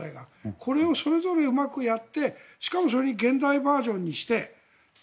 これがそれぞれうまくやってしかもそれに現代バージョンにして。